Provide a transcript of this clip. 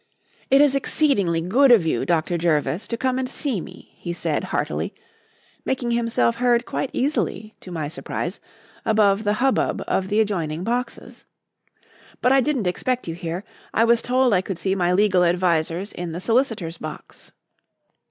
"It is exceedingly good of you, Dr. Jervis, to come and see me," he said heartily, making himself heard quite easily, to my surprise, above the hubbub of the adjoining boxes; "but I didn't expect you here. I was told I could see my legal advisers in the solicitor's box."